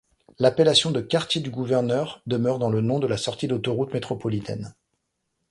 L'appellation de quartier du gouverneur demeure dans le nom de la sortie d'autoroute métropolitaine.